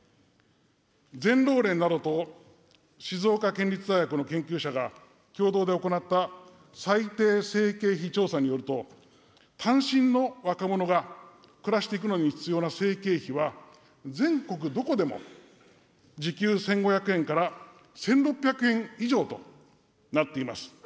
全労連などと、静岡県立大学の研究者が共同で行った最低生計費調査によると、単身の若者が暮らしていくのに必要な生計費は、全国どこでも時給１５００円から１６００円以上となっています。